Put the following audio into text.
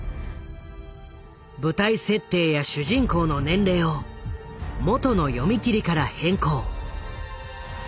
舞台設定や主人公の年齢をもとの読み切りから変更。